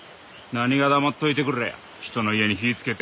何が黙っといてくれや人の家に火つけて。